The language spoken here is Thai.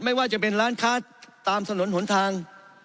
ไม่ว่าจะเป็นร้านค้าตามถนนหนทาง